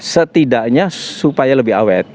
setidaknya supaya lebih awet